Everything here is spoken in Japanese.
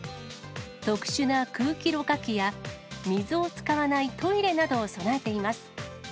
特殊な空気ろ過機や、水を使わないトイレなどを備えています。